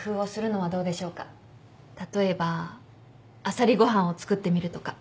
例えばあさりご飯を作ってみるとか。